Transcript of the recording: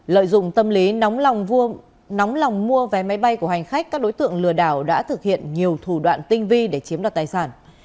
lợi dụng tâm lý nóng lòng mua vé máy bay của hành khách các đối tượng lừa đảo đã thực hiện nhiều thủ đoạn tinh vi để chiếm đoạt tài sản